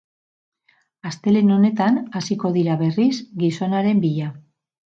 Astelehen honetan hasiko dira berriz gizonaren bila.